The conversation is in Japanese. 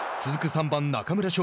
３番中村奨